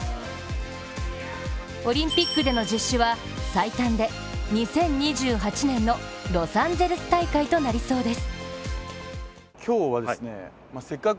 オリンピックでの実施は最短で２０２８年のロサンゼルス大会となりそうです。